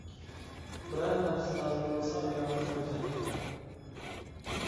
بىرەر نەرسە لازىم بولسا ئايالىنى كىرگۈزەتتى.